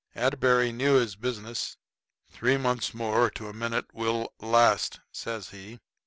Atterbury knew his business. "Three months to a minute we'll last," says he.